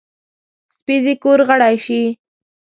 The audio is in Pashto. سپي د کور غړی شي.